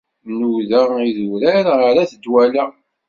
Nnuda idurar ar at Dwala.